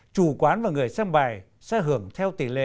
chủ quán và người xem bài sẽ hưởng theo tỷ lệ